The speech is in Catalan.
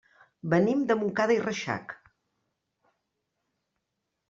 Venim de Montcada i Reixac.